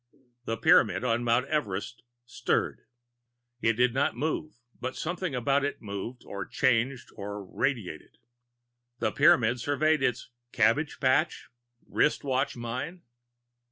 The Pyramid on Mount Everest "stirred." It did not move, but something about it moved, or changed, or radiated. The Pyramid surveyed its cabbage patch? Wristwatch mine?